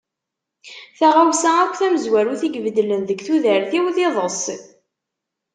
Taɣawsa akk tamezwarut i ibeddlen deg tudert-iw d iḍes.